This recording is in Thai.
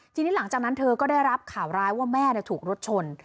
ทีนี้หลังจากนั้นเธอก็ได้รับข่าวร้ายว่าแม่ถูกรถชน